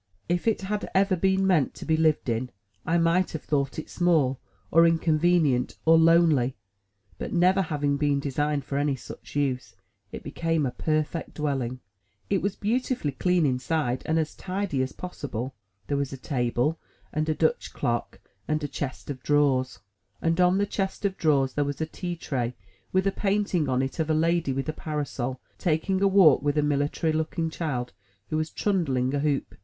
If it had ever been meant to be lived in, I might have thought it small, or inconvenient, or lonely, but never having been designed for any such use, it became a perfect dwelling. It was beautifully clean inside, and as tidy as possible. There was a table, and a Dutch clock, and a chest of drawers, and on the chest of drawers there was a tea tray with a painting on it of a lady with a parasol, taking a walk with a military looking child who was trundling a hoop.